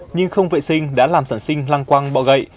nhưng không vệ sinh đã làm sản sinh lăng quang bọ gậy